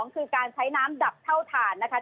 คือการใช้น้ำดับเท่าฐานนะคะ